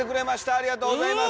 ありがとうございます！